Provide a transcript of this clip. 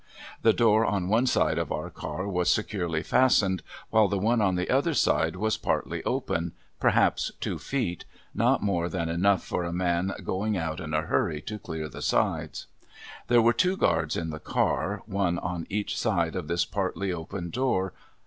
The door on one side of our car was securely fastened, while the one on the other side was partly open perhaps two feet not more than enough for a man going out in a hurry to clear the sides. There were two guards in the car, one on each side of this partly open door.